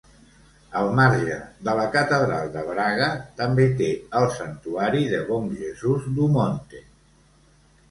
Al marge de la catedral de Braga, també té el santuari de Bom Jesus do Monte.